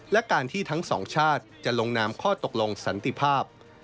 และการที่ทั้งสองชาติจะลงนามข้อตกลงสันติภาพ